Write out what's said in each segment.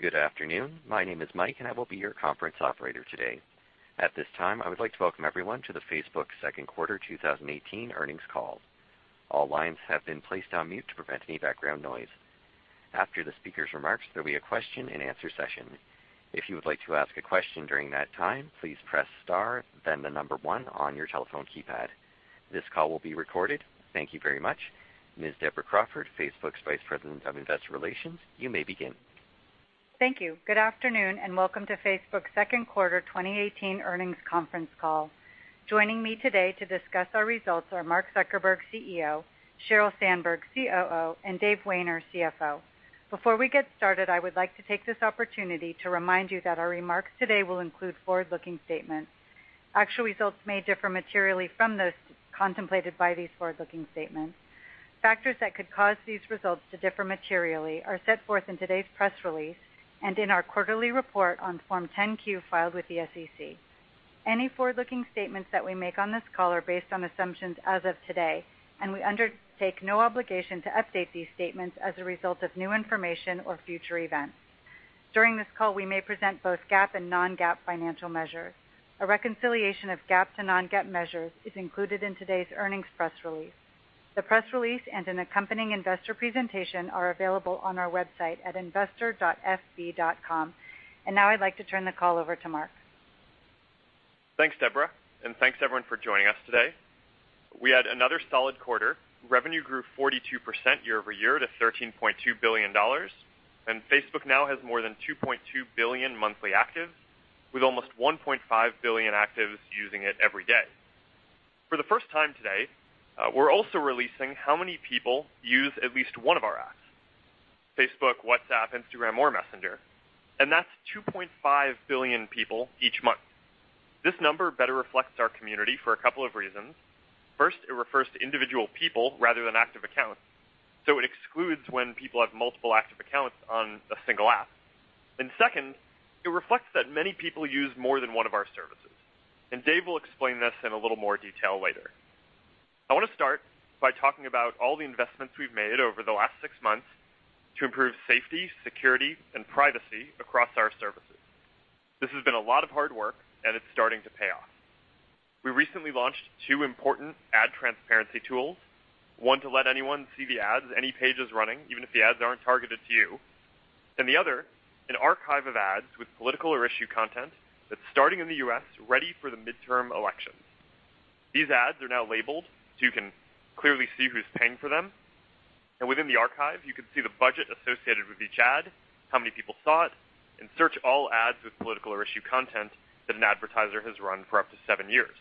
Good afternoon. My name is Mike and I will be your conference operator today. At this time, I would like to welcome everyone to the Facebook second quarter 2018 earnings call. All lines have been placed on mute to prevent any background noise. After the speaker's remarks, there'll be a question and answer session. If you would like to ask a question during that time, please press star, then the number 1 on your telephone keypad. This call will be recorded. Thank you very much. Ms. Deborah Crawford, Facebook's Vice President of Investor Relations, you may begin. Thank you. Good afternoon. Welcome to Facebook's second quarter 2018 earnings conference call. Joining me today to discuss our results are Mark Zuckerberg, CEO, Sheryl Sandberg, COO, and Dave Wehner, CFO. Before we get started, I would like to take this opportunity to remind you that our remarks today will include forward-looking statements. Actual results may differ materially from those contemplated by these forward-looking statements. Factors that could cause these results to differ materially are set forth in today's press release and in our quarterly report on Form 10-Q filed with the SEC. Any forward-looking statements that we make on this call are based on assumptions as of today. We undertake no obligation to update these statements as a result of new information or future events. During this call, we may present both GAAP and non-GAAP financial measures. A reconciliation of GAAP to non-GAAP measures is included in today's earnings press release. The press release and an accompanying investor presentation are available on our website at investor.fb.com. Now I'd like to turn the call over to Mark. Thanks, Deborah. Thanks everyone for joining us today. We had another solid quarter. Revenue grew 42% year-over-year to $13.2 billion. Facebook now has more than $2.2 billion monthly actives, with almost $1.5 billion actives using it every day. For the first time today, we're also releasing how many people use at least one of our apps, Facebook, WhatsApp, Instagram, or Messenger, and that's $2.5 billion people each month. This number better reflects our community for a couple of reasons. First, it refers to individual people rather than active accounts, so it excludes when people have multiple active accounts on a single app. Second, it reflects that many people use more than one of our services. Dave will explain this in a little more detail later. I want to start by talking about all the investments we've made over the last six months to improve safety, security, and privacy across our services. This has been a lot of hard work, and it's starting to pay off. We recently launched two important ad transparency tools. One to let anyone see the ads any page is running, even if the ads aren't targeted to you. The other, an archive of ads with political or issue content that's starting in the U.S. ready for the midterm elections. These ads are now labeled so you can clearly see who's paying for them. Within the archive, you can see the budget associated with each ad, how many people saw it, and search all ads with political or issue content that an advertiser has run for up to seven years.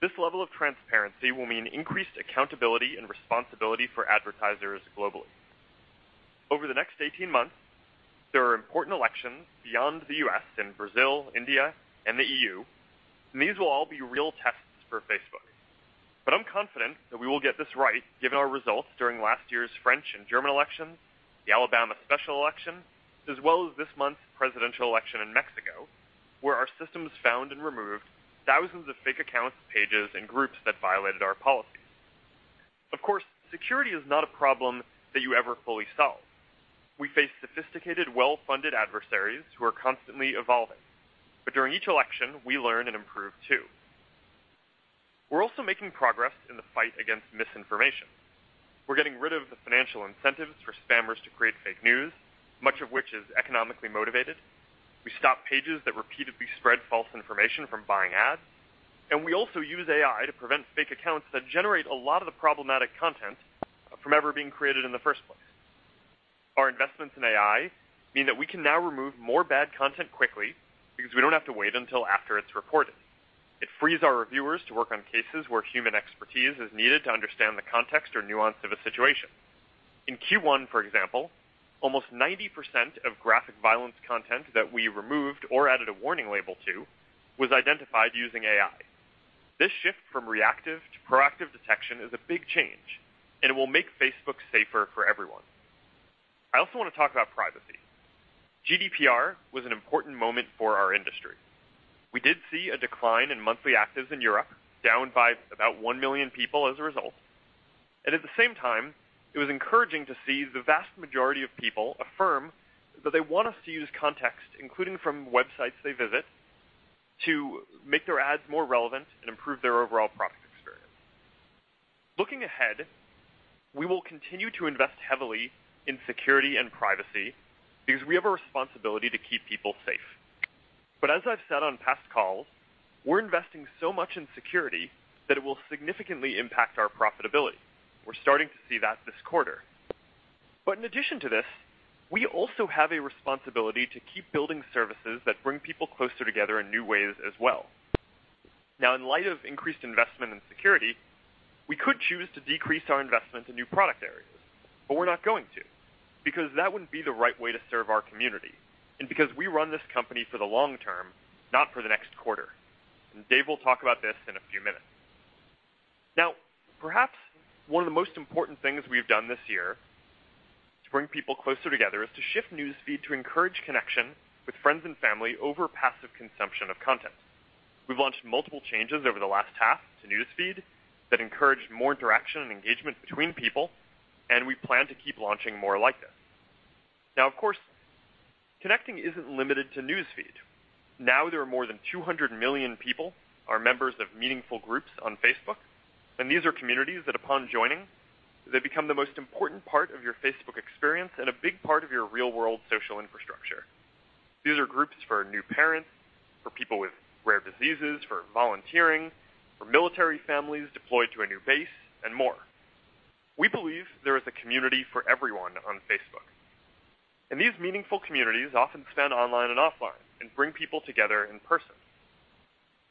This level of transparency will mean increased accountability and responsibility for advertisers globally. Over the next 18 months, there are important elections beyond the U.S. in Brazil, India, and the EU. These will all be real tests for Facebook. I'm confident that we will get this right given our results during last year's French and German elections, the Alabama special election, as well as this month's presidential election in Mexico, where our systems found and removed thousands of fake accounts, pages, and groups that violated our policies. Of course, security is not a problem that you ever fully solve. We face sophisticated, well-funded adversaries who are constantly evolving. During each election, we learn and improve, too. We're also making progress in the fight against misinformation. We're getting rid of the financial incentives for spammers to create fake news, much of which is economically motivated. We stop pages that repeatedly spread false information from buying ads. We also use AI to prevent fake accounts that generate a lot of the problematic content from ever being created in the first place. Our investments in AI mean that we can now remove more bad content quickly because we don't have to wait until after it's reported. It frees our reviewers to work on cases where human expertise is needed to understand the context or nuance of a situation. In Q1, for example, almost 90% of graphic violence content that we removed or added a warning label to was identified using AI. This shift from reactive to proactive detection is a big change. It will make Facebook safer for everyone. I also want to talk about privacy. GDPR was an important moment for our industry. We did see a decline in monthly actives in Europe, down by about 1 million people as a result. At the same time, it was encouraging to see the vast majority of people affirm that they want us to use context, including from websites they visit, to make their ads more relevant and improve their overall product experience. Looking ahead, we will continue to invest heavily in security and privacy because we have a responsibility to keep people safe. As I've said on past calls, we're investing so much in security that it will significantly impact our profitability. We're starting to see that this quarter. In addition to this, we also have a responsibility to keep building services that bring people closer together in new ways as well. In light of increased investment in security, we could choose to decrease our investment in new product areas, but we're not going to, because that wouldn't be the right way to serve our community, and because we run this company for the long term, not for the next quarter. Dave will talk about this in a few minutes. Perhaps one of the most important things we've done this year to bring people closer together is to shift News Feed to encourage connection with friends and family over passive consumption of content. We've launched multiple changes over the last half to News Feed that encourage more interaction and engagement between people, and we plan to keep launching more like this. Of course, connecting isn't limited to News Feed. There are more than 200 million people are members of meaningful groups on Facebook, and these are communities that upon joining, they become the most important part of your Facebook experience and a big part of your real-world social infrastructure. These are groups for new parents, for people with rare diseases, for volunteering, for military families deployed to a new base, and more. We believe there is a community for everyone on Facebook, and these meaningful communities often span online and offline and bring people together in person.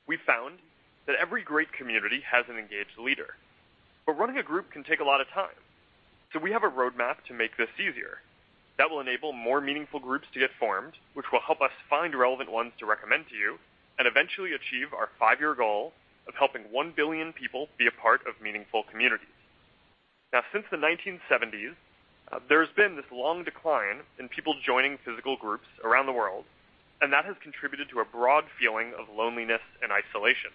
We found that every great community has an engaged leader, but running a group can take a lot of time. We have a roadmap to make this easier that will enable more meaningful groups to get formed, which will help us find relevant ones to recommend to you and eventually achieve our five-year goal of helping 1 billion people be a part of meaningful communities. Since the 1970s, there's been this long decline in people joining physical groups around the world, and that has contributed to a broad feeling of loneliness and isolation.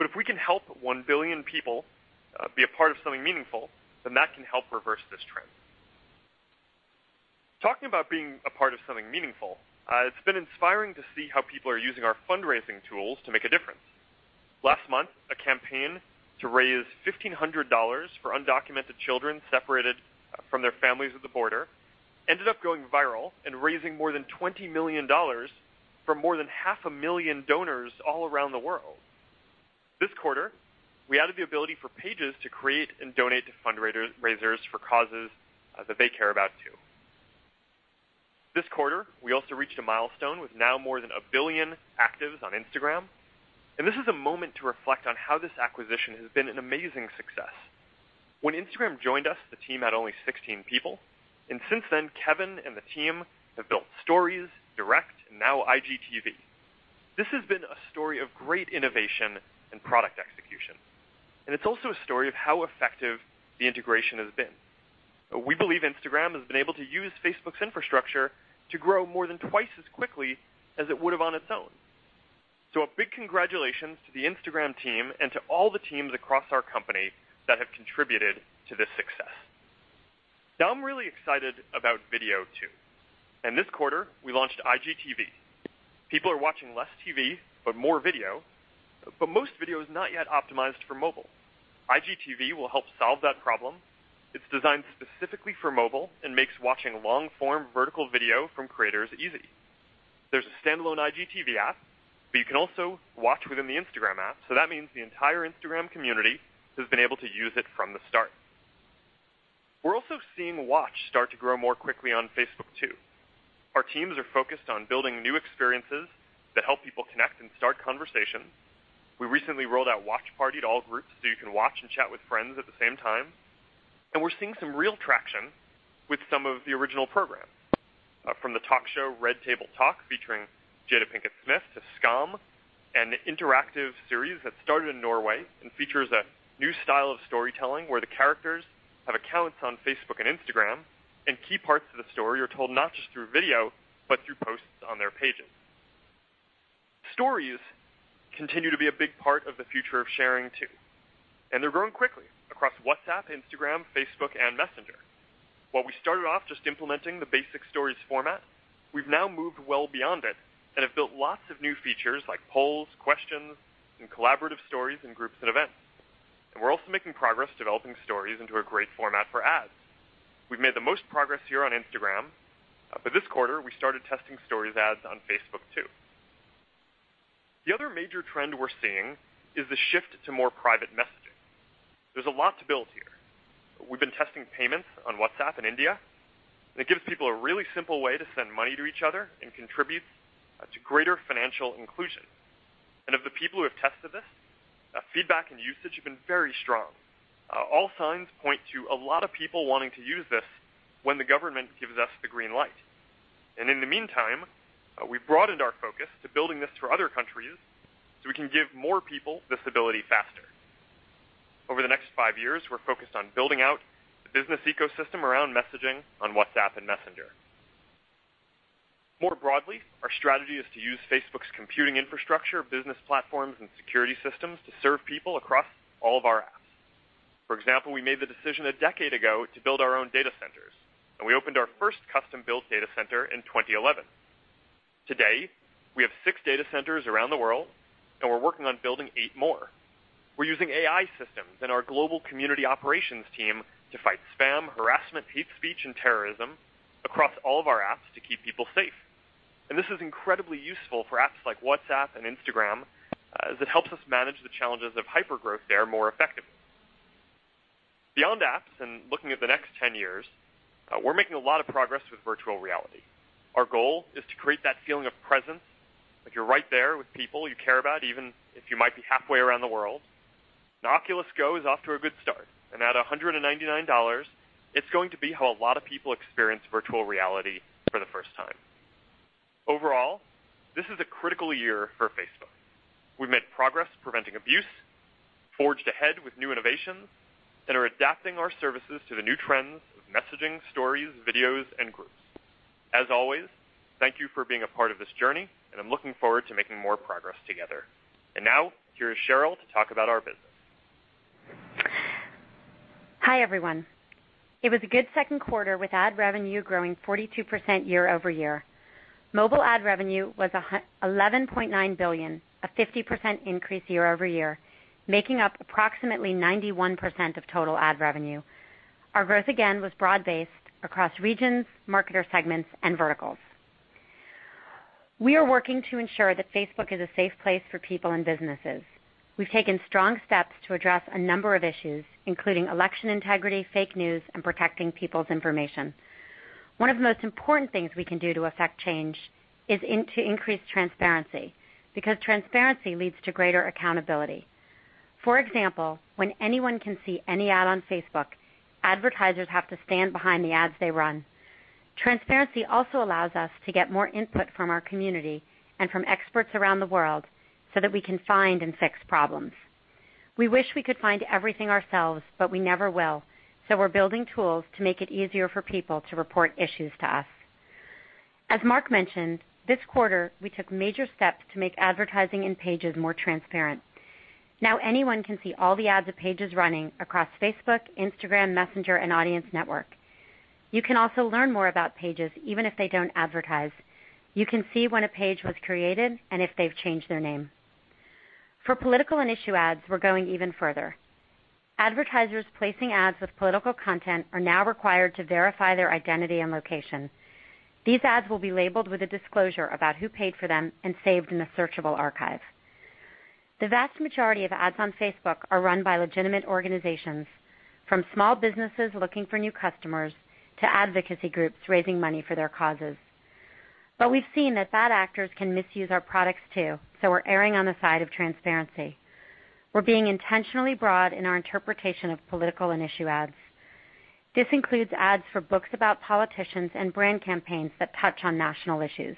If we can help 1 billion people be a part of something meaningful, then that can help reverse this trend. Talking about being a part of something meaningful, it's been inspiring to see how people are using our fundraising tools to make a difference. Last month, a campaign to raise $1,500 for undocumented children separated from their families at the border ended up going viral and raising more than $20 million for more than half a million donors all around the world. This quarter, we added the ability for pages to create and donate to fundraisers for causes that they care about too. This quarter, we also reached a milestone with now more than 1 billion actives on Instagram, and this is a moment to reflect on how this acquisition has been an amazing success. When Instagram joined us, the team had only 16 people, and since then, Kevin and the team have built Stories, Direct, and now IGTV. This has been a story of great innovation and product execution, and it's also a story of how effective the integration has been. We believe Instagram has been able to use Facebook's infrastructure to grow more than twice as quickly as it would have on its own. A big congratulations to the Instagram team and to all the teams across our company that have contributed to this success. I'm really excited about video too. In this quarter, we launched IGTV. People are watching less TV, but more video, but most video is not yet optimized for mobile. IGTV will help solve that problem. It's designed specifically for mobile and makes watching long-form vertical video from creators easy. There's a standalone IGTV app, but you can also watch within the Instagram app, so that means the entire Instagram community has been able to use it from the start. We're also seeing Watch start to grow more quickly on Facebook too. Our teams are focused on building new experiences that help people connect and start conversations. We recently rolled out Watch Party to all groups so you can watch and chat with friends at the same time. We're seeing some real traction with some of the original programs. From the talk show, Red Table Talk, featuring Jada Pinkett Smith, to Skam, an interactive series that started in Norway and features a new style of storytelling where the characters have accounts on Facebook and Instagram, and key parts of the story are told not just through video, but through posts on their pages. Stories continue to be a big part of the future of sharing too. They're growing quickly across WhatsApp, Instagram, Facebook, and Messenger. While we started off just implementing the basic Stories format, we've now moved well beyond it and have built lots of new features like polls, questions, and collaborative stories in groups and events. We're also making progress developing Stories into a great format for ads. We've made the most progress here on Instagram, but this quarter, we started testing Stories ads on Facebook too. The other major trend we're seeing is the shift to more private messaging. There's a lot to build here. We've been testing payments on WhatsApp in India. It gives people a really simple way to send money to each other and contribute to greater financial inclusion. Of the people who have tested this, feedback and usage have been very strong. All signs point to a lot of people wanting to use this when the government gives us the green light. In the meantime, we've broadened our focus to building this for other countries so we can give more people this ability faster. Over the next five years, we're focused on building out the business ecosystem around messaging on WhatsApp and Messenger. More broadly, our strategy is to use Facebook's computing infrastructure, business platforms, and security systems to serve people across all of our apps. For example, we made the decision a decade ago to build our own data centers. We opened our first custom-built data center in 2011. Today, we have six data centers around the world. We're working on building eight more. We're using AI systems and our global community operations team to fight spam, harassment, hate speech, and terrorism across all of our apps to keep people safe. This is incredibly useful for apps like WhatsApp and Instagram, as it helps us manage the challenges of hypergrowth there more effectively. Beyond apps and looking at the next 10 years, we're making a lot of progress with virtual reality. Our goal is to create that feeling of presence, like you're right there with people you care about, even if you might be halfway around the world. Oculus Go is off to a good start, and at $199, it's going to be how a lot of people experience virtual reality for the first time. Overall, this is a critical year for Facebook. We've made progress preventing abuse. Forged ahead with new innovations, and are adapting our services to the new trends of messaging, Stories, videos and groups. Always, thank you for being a part of this journey, and I'm looking forward to making more progress together. Now, here's Sheryl to talk about our business. Hi, everyone. It was a good second quarter with ad revenue growing 42% year-over-year. Mobile ad revenue was $11.9 billion, a 50% increase year-over-year, making up approximately 91% of total ad revenue. Our growth, again, was broad-based across regions, marketer segments and verticals. We are working to ensure that Facebook is a safe place for people and businesses. We've taken strong steps to address a number of issues, including election integrity, fake news, and protecting people's information. One of the most important things we can do to affect change is to increase transparency, because transparency leads to greater accountability. For example, when anyone can see any ad on Facebook, advertisers have to stand behind the ads they run. Transparency also allows us to get more input from our community and from experts around the world so that we can find and fix problems. We wish we could find everything ourselves, but we never will, so we're building tools to make it easier for people to report issues to us. As Mark mentioned, this quarter, we took major steps to make advertising and pages more transparent. Now anyone can see all the ads a page is running across Facebook, Instagram, Messenger and Audience Network. You can also learn more about pages, even if they don't advertise. You can see when a page was created and if they've changed their name. For political and issue ads, we're going even further. Advertisers placing ads with political content are now required to verify their identity and location. These ads will be labeled with a disclosure about who paid for them and saved in a searchable archive. The vast majority of ads on Facebook are run by legitimate organizations, from small businesses looking for new customers to advocacy groups raising money for their causes. But we have seen that bad actors can misuse our products too, so we are erring on the side of transparency. We are being intentionally broad in our interpretation of political and issue ads. This includes ads for books about politicians and brand campaigns that touch on national issues.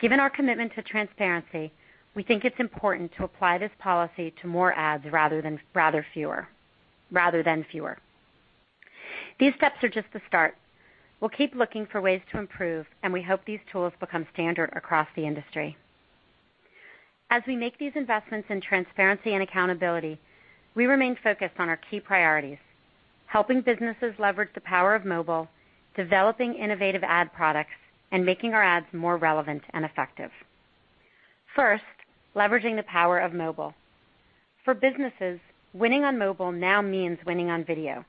Given our commitment to transparency, we think it is important to apply this policy to more ads rather than fewer. These steps are just the start. We will keep looking for ways to improve, and we hope these tools become standard across the industry. As we make these investments in transparency and accountability, we remain focused on our key priorities: helping businesses leverage the power of mobile, developing innovative ad products, and making our ads more relevant and effective. First, leveraging the power of mobile. For businesses, winning on mobile now means winning on video.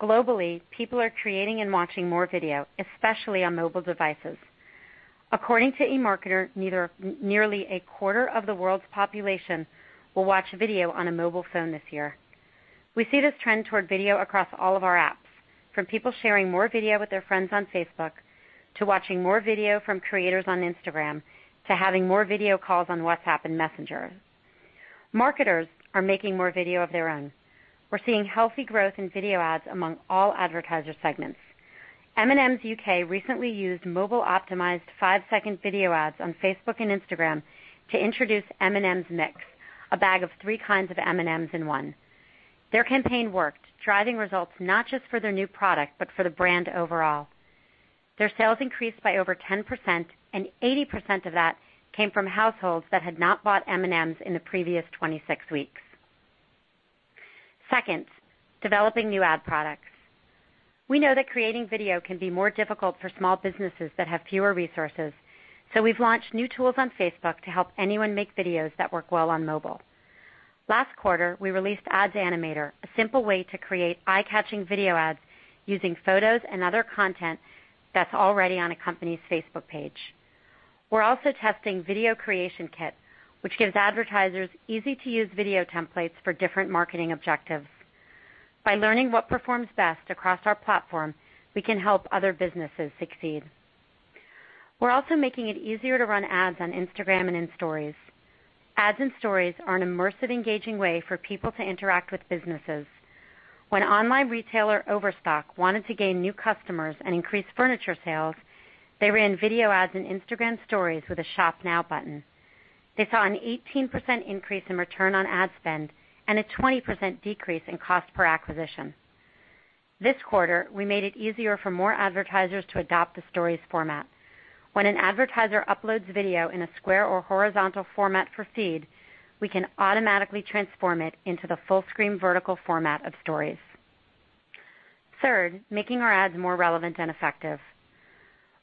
Globally, people are creating and watching more video, especially on mobile devices. According to eMarketer, nearly a quarter of the world's population will watch video on a mobile phone this year. We see this trend toward video across all of our apps, from people sharing more video with their friends on Facebook, to watching more video from creators on Instagram, to having more video calls on WhatsApp and Messenger. Marketers are making more video of their own. We are seeing healthy growth in video ads among all advertiser segments. M&M's U.K. recently used mobile-optimized five-second video ads on Facebook and Instagram to introduce M&M's Mix, a bag of three kinds of M&M's in one. Their campaign worked, driving results not just for their new product, but for the brand overall. Their sales increased by over 10%, and 80% of that came from households that had not bought M&M's in the previous 26 weeks. Second, developing new ad products. We know that creating video can be more difficult for small businesses that have fewer resources. We have launched new tools on Facebook to help anyone make videos that work well on mobile. Last quarter, we released Ads Animator, a simple way to create eye-catching video ads using photos and other content that is already on a company's Facebook page. We are also testing Video Creation Kit, which gives advertisers easy-to-use video templates for different marketing objectives. By learning what performs best across our platform, we can help other businesses succeed. We are also making it easier to run ads on Instagram and in Stories. Ads in Stories are an immersive, engaging way for people to interact with businesses. When online retailer, Overstock, wanted to gain new customers and increase furniture sales, they ran video ads in Instagram Stories with a Shop Now button. They saw an 18% increase in return on ad spend and a 20% decrease in cost per acquisition. This quarter, we made it easier for more advertisers to adopt the Stories format. When an advertiser uploads video in a square or horizontal format for feed, we can automatically transform it into the full screen vertical format of Stories. Third, making our ads more relevant and effective.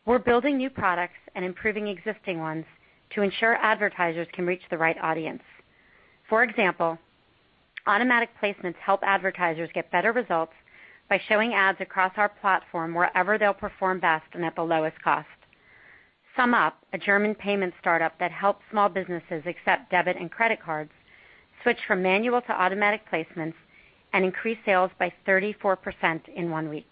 We are building new products and improving existing ones to ensure advertisers can reach the right audience. For example, automatic placements help advertisers get better results by showing ads across our platform wherever they will perform best and at the lowest cost. SumUp, a German payment startup that helps small businesses accept debit and credit cards, switched from manual to automatic placements and increased sales by 34% in one week.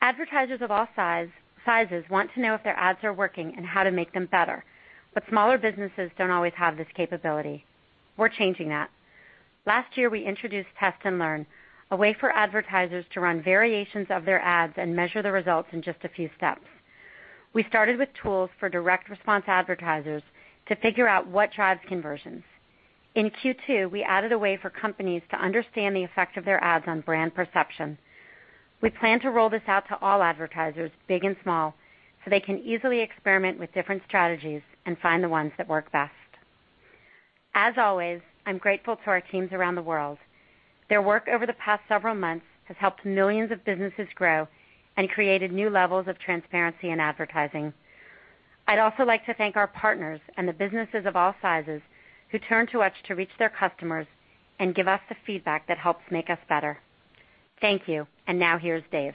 Advertisers of all sizes want to know if their ads are working and how to make them better, but smaller businesses don't always have this capability. We're changing that. Last year, we introduced Test and Learn, a way for advertisers to run variations of their ads and measure the results in just a few steps. We started with tools for direct response advertisers to figure out what drives conversions. In Q2, we added a way for companies to understand the effect of their ads on brand perception. We plan to roll this out to all advertisers, big and small, so they can easily experiment with different strategies and find the ones that work best. As always, I'm grateful to our teams around the world. Their work over the past several months has helped millions of businesses grow and created new levels of transparency in advertising. I'd also like to thank our partners and the businesses of all sizes who turn to us to reach their customers and give us the feedback that helps make us better. Thank you. And now here's Dave.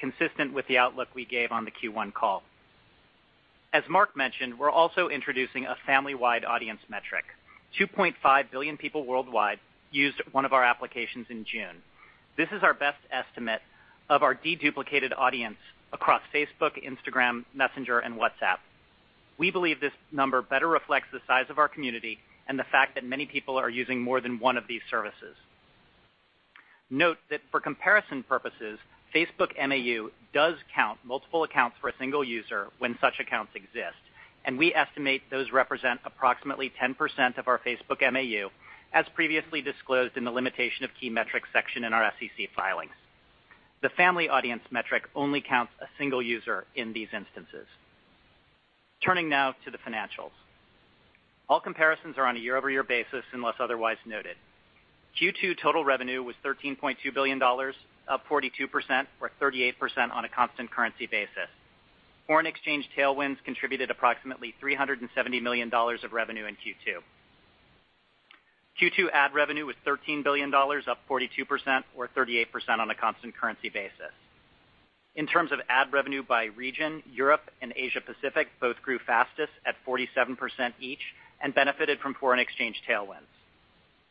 We believe this number better reflects the size of our community and the fact that many people are using more than one of these services. Note that for comparison purposes, Facebook MAU does count multiple accounts for a single user when such accounts exist, and we estimate those represent approximately 10% of our Facebook MAU, as previously disclosed in the limitation of key metrics section in our SEC filings. The family audience metric only counts a single user in these instances. Turning now to the financials. All comparisons are on a year-over-year basis unless otherwise noted. Q2 total revenue was $13.2 billion,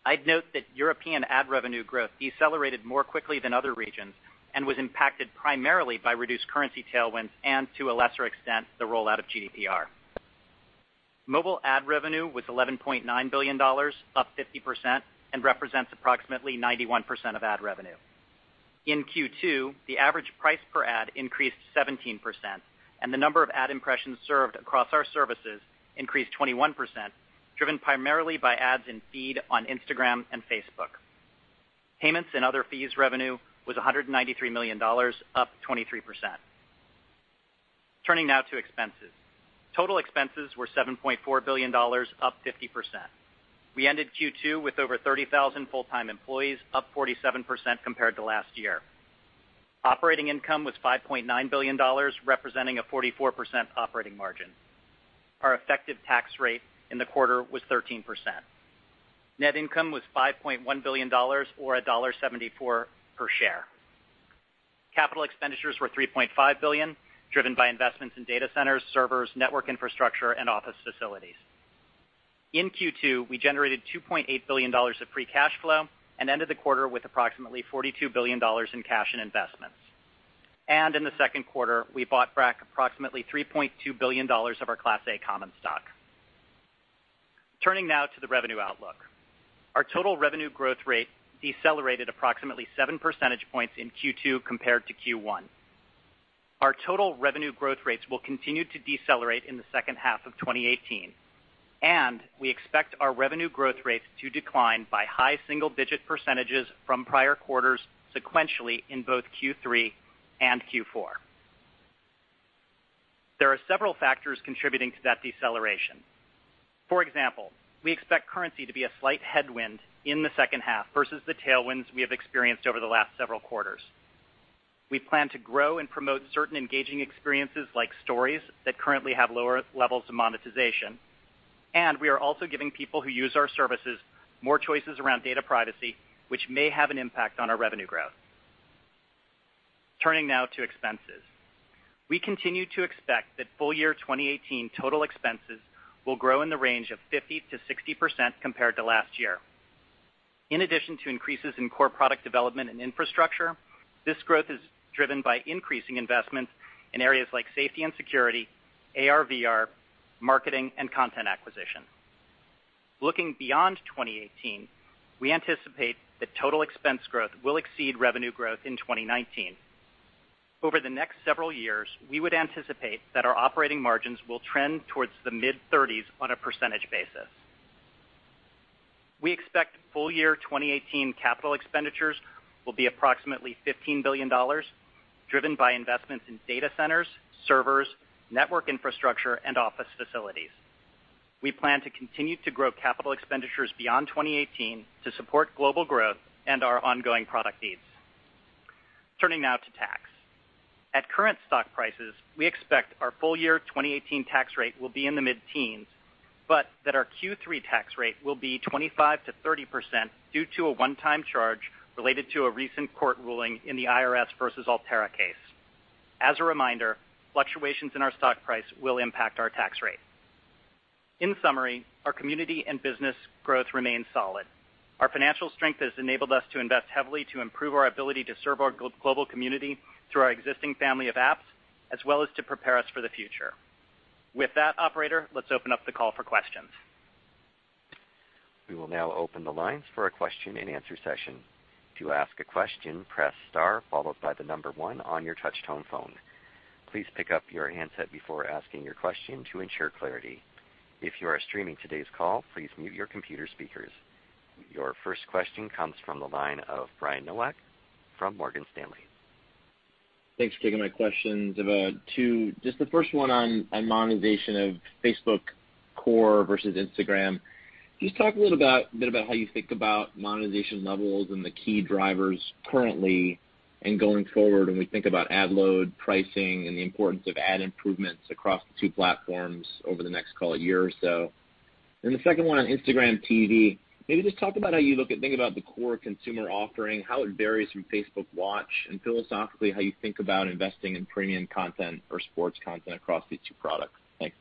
I'd note that European ad revenue growth decelerated more quickly than other regions and was impacted primarily by reduced currency tailwinds and, to a lesser extent, the rollout of GDPR. Mobile ad revenue was $11.9 billion, up 50% and represents approximately 91% of ad revenue. In Q2, the average price per ad increased 17% and the number of ad impressions served across our services increased 21%, driven primarily by ads in feed on Instagram and Facebook. Payments and other fees revenue was $193 million, up 23%. Turning now to expenses. Total expenses were $7.4 billion, up 50%. We ended Q2 with over 30,000 full-time employees, up 47% compared to last year. Operating income was $5.9 billion, representing a 44% operating margin. Our effective tax rate in the quarter was 13%. Net income was $5.1 billion or $1.74 per share. Capital expenditures were $3.5 billion, driven by investments in data centers, servers, network infrastructure, and office facilities. In Q2, we generated $2.8 billion of free cash flow and ended the quarter with approximately $42 billion in cash and investments. In the second quarter, we bought back approximately $3.2 billion of our Class A common stock. Turning now to the revenue outlook. Our total revenue growth rate decelerated approximately seven percentage points in Q2 compared to Q1. Our total revenue growth rates will continue to decelerate in the second half of 2018, and we expect our revenue growth rates to decline by high single-digit percentages from prior quarters sequentially in both Q3 and Q4. There are several factors contributing to that deceleration. For example, we expect currency to be a slight headwind in the second half versus the tailwinds we have experienced over the last several quarters. We plan to grow and promote certain engaging experiences like Stories that currently have lower levels of monetization. We are also giving people who use our services more choices around data privacy, which may have an impact on our revenue growth. Turning now to expenses. We continue to expect that full year 2018 total expenses will grow in the range of 50%-60% compared to last year. In addition to increases in core product development and infrastructure, this growth is driven by increasing investments in areas like safety and security, ARVR, marketing, and content acquisition. Looking beyond 2018, we anticipate that total expense growth will exceed revenue growth in 2019. Over the next several years, we would anticipate that our operating margins will trend towards the mid-30s on a percentage basis. We expect full year 2018 capital expenditures will be approximately $15 billion, driven by investments in data centers, servers, network infrastructure, and office facilities. We plan to continue to grow capital expenditures beyond 2018 to support global growth and our ongoing product needs. Turning now to tax. At current stock prices, we expect our full-year 2018 tax rate will be in the mid-teens, but that our Q3 tax rate will be 25%-30% due to a one-time charge related to a recent court ruling in the IRS versus Altera case. As a reminder, fluctuations in our stock price will impact our tax rate. In summary, our community and business growth remain solid. Our financial strength has enabled us to invest heavily to improve our ability to serve our global community through our existing family of apps, as well as to prepare us for the future. With that, operator, let's open up the call for questions. We will now open the lines for a question-and-answer session. To ask a question, press star followed by the number 1 on your touch-tone phone. Please pick up your handset before asking your question to ensure clarity. If you are streaming today's call, please mute your computer speakers. Your first question comes from the line of Brian Nowak from Morgan Stanley. Thanks for taking my questions. I have two. The first one on monetization of Facebook Core versus Instagram. Can you just talk a little bit about how you think about monetization levels and the key drivers currently and going forward when we think about ad load, pricing, and the importance of ad improvements across the two platforms over the next call it a year or so? The second one on Instagram TV. Maybe just talk about how you think about the core consumer offering, how it varies from Facebook Watch, and philosophically, how you think about investing in premium content or sports content across these two products. Thanks.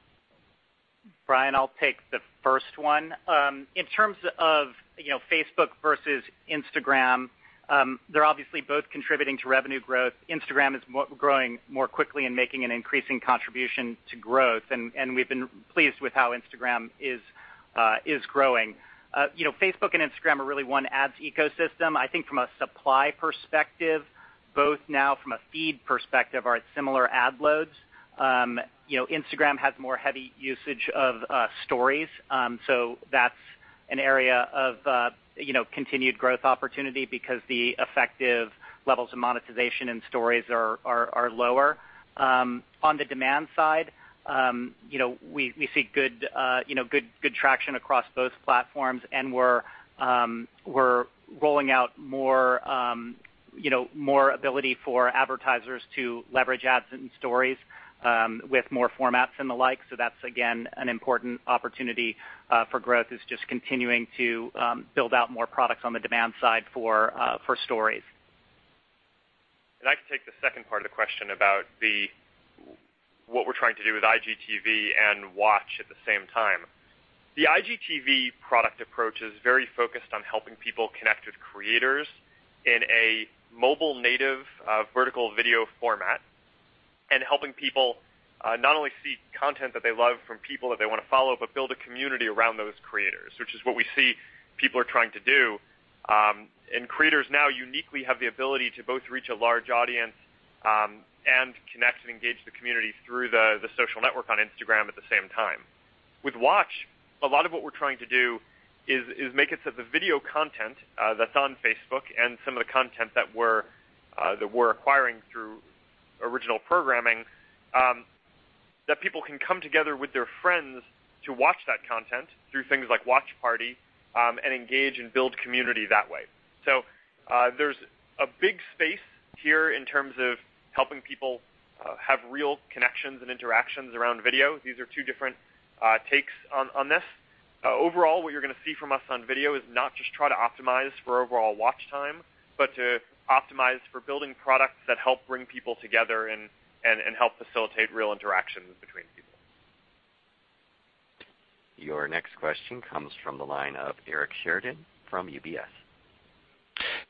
Brian, I'll take the first one. In terms of Facebook versus Instagram, they're obviously both contributing to revenue growth. Instagram is growing more quickly and making an increasing contribution to growth, and we've been pleased with how Instagram is growing. Facebook and Instagram are really one ads ecosystem. I think from a supply perspective, both now from a feed perspective are at similar ad loads. Instagram has more heavy usage of Stories, so that's an area of continued growth opportunity because the effective levels of monetization in Stories are lower. On the demand side, we see good traction across both platforms, and we're rolling out more ability for advertisers to leverage ads in Stories with more formats and the like. That's, again, an important opportunity for growth, is just continuing to build out more products on the demand side for Stories. I can take the second part of the question about what we're trying to do with IGTV and Watch at the same time. The IGTV product approach is very focused on helping people connect with creators in a mobile native vertical video format, helping people not only see content that they love from people that they want to follow, but build a community around those creators, which is what we see people are trying to do. Creators now uniquely have the ability to both reach a large audience and connect and engage the community through the social network on Instagram at the same time. With Watch, a lot of what we're trying to do is make it so the video content that's on Facebook and some of the content that we're acquiring through original programming, that people can come together with their friends to watch that content through things like Watch Party and engage and build community that way. There's a big space here in terms of helping people have real connections and interactions around video. These are two different takes on this. Overall, what you're going to see from us on video is not just try to optimize for overall watch time, but to optimize for building products that help bring people together and help facilitate real interactions between people. Your next question comes from the line of Eric Sheridan from UBS.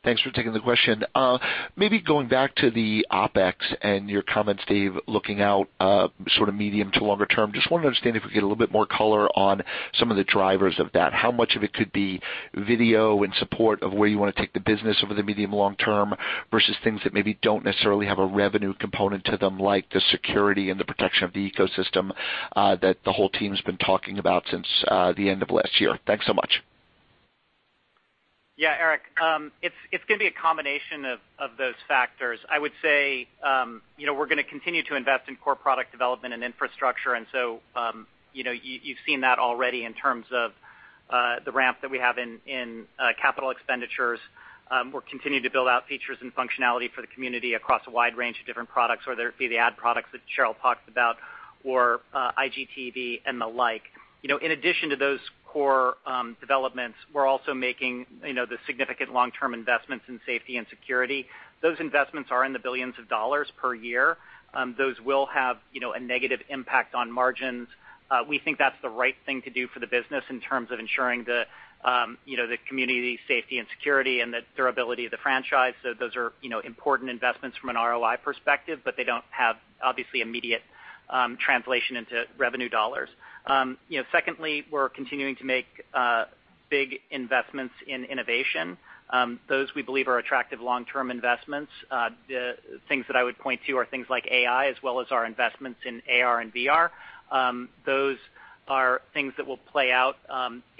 Thanks for taking the question. Maybe going back to the OpEx and your comments, Dave, looking out sort of medium to longer term. Just wanted to understand if we could get a little bit more color on some of the drivers of that. How much of it could be video in support of where you want to take the business over the medium long term versus things that maybe don't necessarily have a revenue component to them, like the security and the protection of the ecosystem that the whole team's been talking about since the end of last year? Thanks so much. Yeah, Eric. It's going to be a combination of those factors. I would say we're going to continue to invest in core product development and infrastructure. You've seen that already in terms of the ramp that we have in capital expenditures. We're continuing to build out features and functionality for the community across a wide range of different products, whether it be the ad products that Sheryl talked about or IGTV and the like. In addition to those core developments, we're also making the significant long-term investments in safety and security. Those investments are in the billions of dollars per year. Those will have a negative impact on margins. We think that's the right thing to do for the business in terms of ensuring the community safety and security and the durability of the franchise. Those are important investments from an ROI perspective, but they don't have, obviously, immediate translation into revenue dollars. Secondly, we're continuing to make big investments in innovation. Those, we believe, are attractive long-term investments. Things that I would point to are things like AI as well as our investments in AR and VR. Those are things that will play out,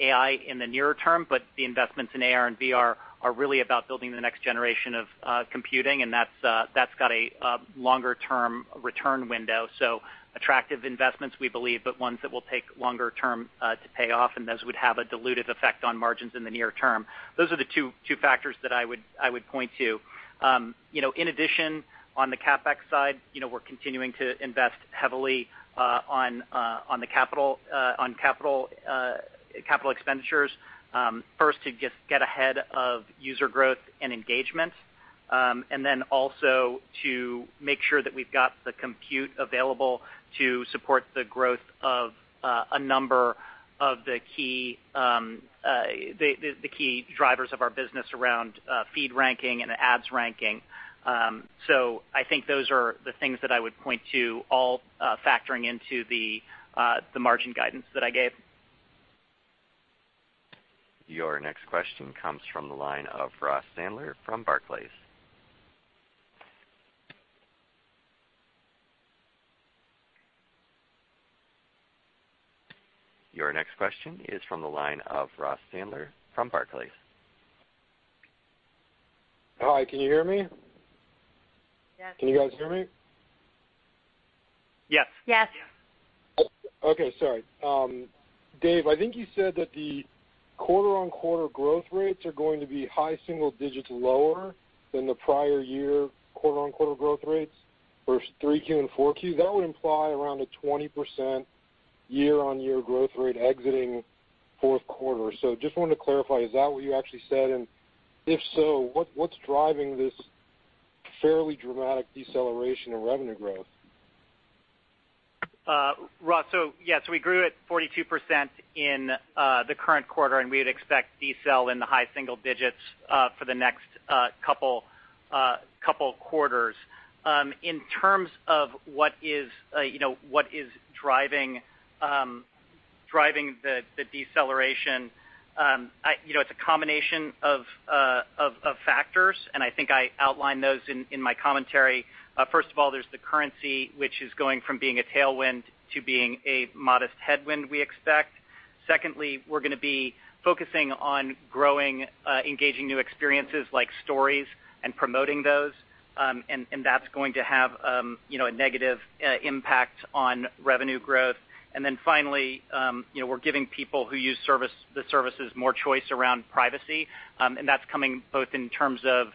AI in the nearer term, but the investments in AR and VR are really about building the next generation of computing. That's got a longer-term return window. Attractive investments, we believe, but ones that will take longer term to pay off. Those would have a dilutive effect on margins in the near term. Those are the two factors that I would point to. In addition, on the CapEx side, we're continuing to invest heavily on capital expenditures. First, to just get ahead of user growth and engagement, then also to make sure that we've got the compute available to support the growth of a number of the key drivers of our business around feed ranking and ads ranking. I think those are the things that I would point to all factoring into the margin guidance that I gave. Your next question comes from the line of Ross Sandler from Barclays. Hi, can you hear me? Yes. Can you guys hear me? Yes. Yes. Okay. Sorry. Dave, I think you said that the quarter-on-quarter growth rates are going to be high single digits lower than the prior year quarter-on-quarter growth rates for 3Q and 4Q. That would imply around a 20% year-on-year growth rate exiting fourth quarter. Just wanted to clarify, is that what you actually said? And if so, what's driving this fairly dramatic deceleration in revenue growth? Ross, yes, we grew at 42% in the current quarter, and we would expect decel in the high single digits for the next couple quarters. In terms of what is driving the deceleration, it's a combination of factors, and I think I outlined those in my commentary. First of all, there's the currency, which is going from being a tailwind to being a modest headwind, we expect. Secondly, we're going to be focusing on growing, engaging new experiences like Stories and promoting those. That's going to have a negative impact on revenue growth. Finally, we're giving people who use the services more choice around privacy. That's coming both in terms of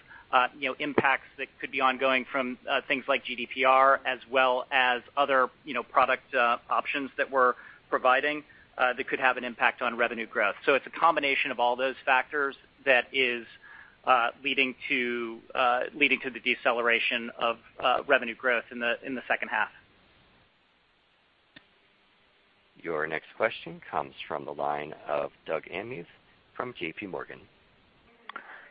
impacts that could be ongoing from things like GDPR as well as other product options that we're providing that could have an impact on revenue growth. It's a combination of all those factors that is leading to the deceleration of revenue growth in the second half. Your next question comes from the line of Doug Anmuth from J.P. Morgan.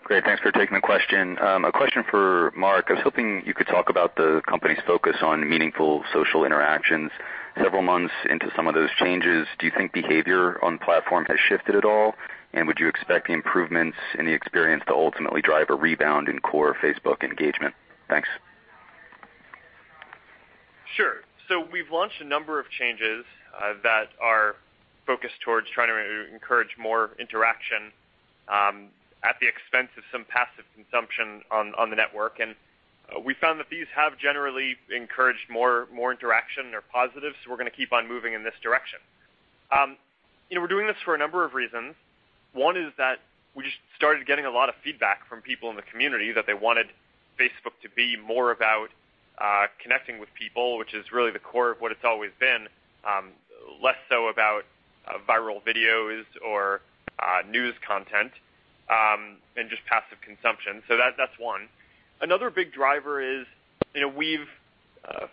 Great. Thanks for taking the question. A question for Mark. I was hoping you could talk about the company's focus on meaningful social interactions several months into some of those changes. Do you think behavior on platform has shifted at all? Would you expect the improvements in the experience to ultimately drive a rebound in core Facebook engagement? Thanks. Sure. We've launched a number of changes that are focused towards trying to encourage more interaction at the expense of some passive consumption on the network. We found that these have generally encouraged more interaction. They're positive, so we're going to keep on moving in this direction. We're doing this for a number of reasons. One is that we just started getting a lot of feedback from people in the community that they wanted Facebook to be more about connecting with people, which is really the core of what it's always been, less so about viral videos or news content and just passive consumption. That's one. Another big driver is we've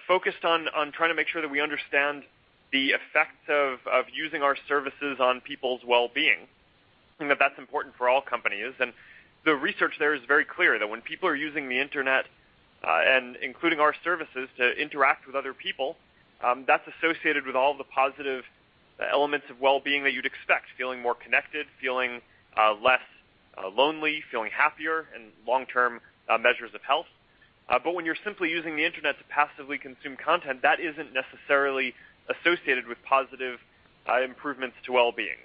focused on trying to make sure that we understand the effects of using our services on people's well-being, and that's important for all companies. The research there is very clear that when people are using the internet, and including our services, to interact with other people, that's associated with all the positive elements of well-being that you'd expect: feeling more connected, feeling less lonely, feeling happier, and long-term measures of health. When you're simply using the internet to passively consume content, that isn't necessarily associated with positive improvements to well-being.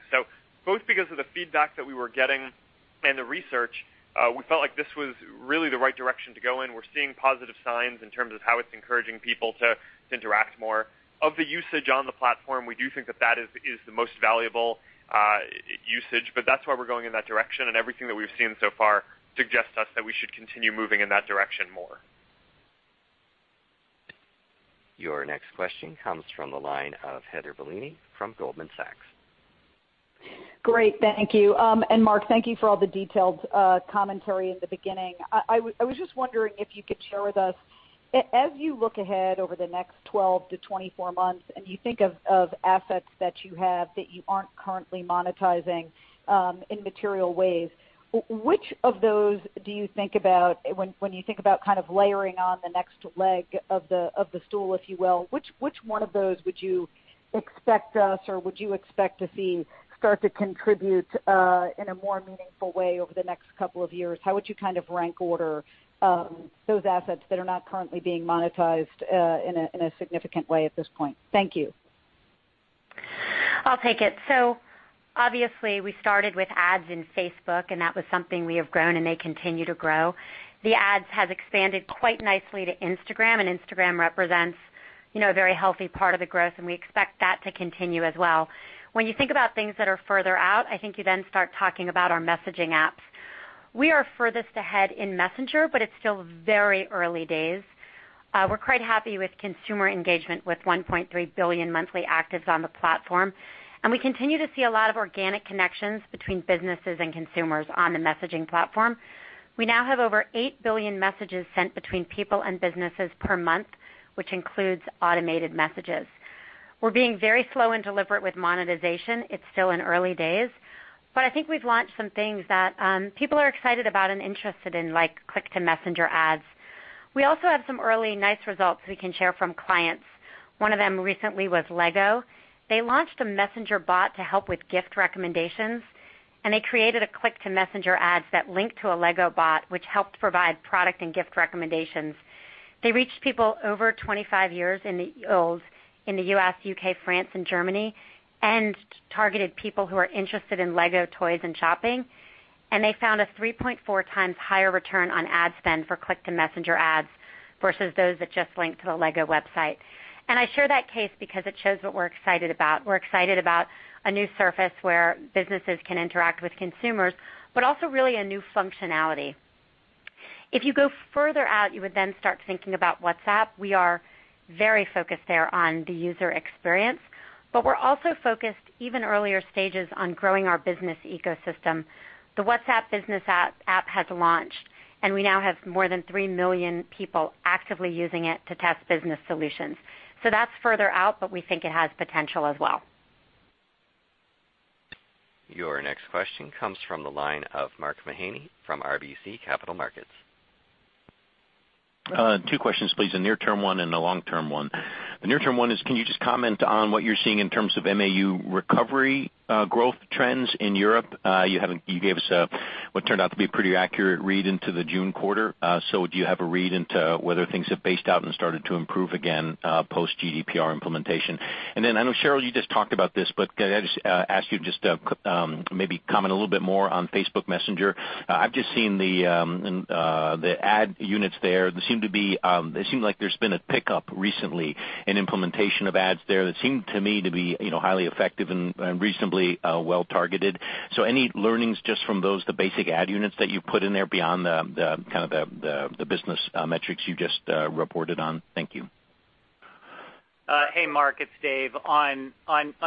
Both because of the feedback that we were getting and the research, we felt like this was really the right direction to go in. We're seeing positive signs in terms of how it's encouraging people to interact more. Of the usage on the platform, we do think that that is the most valuable usage, but that's why we're going in that direction, and everything that we've seen so far suggests to us that we should continue moving in that direction more. Your next question comes from the line of Heather Bellini from Goldman Sachs. Great. Thank you. Mark, thank you for all the detailed commentary in the beginning. I was just wondering if you could share with us, as you look ahead over the next 12-24 months and you think of assets that you have that you aren't currently monetizing in material ways, which of those do you think about when you think about kind of layering on the next leg of the stool, if you will? Which one of those would you expect us or would you expect to see start to contribute in a more meaningful way over the next couple of years? How would you kind of rank order those assets that are not currently being monetized in a significant way at this point? Thank you. I'll take it. Obviously we started with ads in Facebook, and that was something we have grown and they continue to grow. The ads have expanded quite nicely to Instagram, and Instagram represents a very healthy part of the growth, and we expect that to continue as well. When you think about things that are further out, I think you then start talking about our messaging apps. We are furthest ahead in Messenger, but it's still very early days. We're quite happy with consumer engagement with 1.3 billion monthly actives on the platform, and we continue to see a lot of organic connections between businesses and consumers on the messaging platform. We now have over eight billion messages sent between people and businesses per month, which includes automated messages. We're being very slow and deliberate with monetization. It's still in early days. I think we've launched some things that people are excited about and interested in, like Click to Messenger ads. We also have some early nice results we can share from clients. One of them recently was Lego. They launched a Messenger bot to help with gift recommendations. They created a Click to Messenger ads that linked to a Lego bot, which helped provide product and gift recommendations. They reached people over 25 years old in the U.S., U.K., France, and Germany, and targeted people who are interested in Lego toys and shopping. They found a 3.4 times higher return on ad spend for Click to Messenger ads versus those that just linked to the Lego website. I share that case because it shows what we're excited about. We're excited about a new surface where businesses can interact with consumers, but also really a new functionality. If you go further out, you would then start thinking about WhatsApp. We are very focused there on the user experience, but we're also focused even earlier stages on growing our business ecosystem. The WhatsApp Business app has launched. We now have more than 3 million people actively using it to test business solutions. That's further out, but we think it has potential as well. Your next question comes from the line of Mark Mahaney from RBC Capital Markets. Two questions, please. A near-term one and a long-term one. The near-term one is, can you just comment on what you're seeing in terms of MAU recovery growth trends in Europe? You gave us what turned out to be a pretty accurate read into the June quarter. Do you have a read into whether things have based out and started to improve again, post GDPR implementation? I know, Sheryl, you just talked about this, but can I just ask you to just maybe comment a little bit more on Facebook Messenger. I've just seen the ad units there. It seemed like there's been a pickup recently in implementation of ads there that seemed to me to be highly effective and reasonably well-targeted. Any learnings just from those, the basic ad units that you put in there beyond the business metrics you just reported on? Thank you. Hey, Mark, it's Dave. On